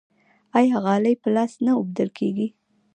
آیا غالۍ په لاس نه اوبدل کیږي؟